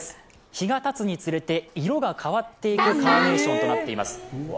日がたつにつれて色が変わっていくカーネーションとなっています。